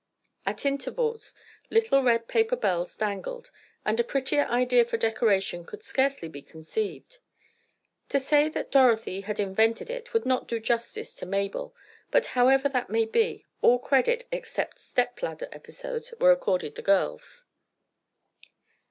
At intervals little red paper bells dangled, and a prettier idea for decoration could scarcely be conceived. To say that Dorothy had invented it would not do justice to Mabel, but however that may be, all credit, except stepladder episodes, was accorded the girls.